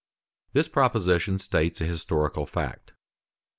_ This proposition states a historical fact.